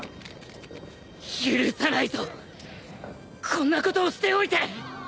許さないぞこんなことをしておいて。